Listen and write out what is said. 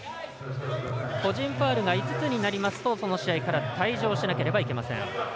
個人ファウルが５つになりますとその試合から退場しなければなりません。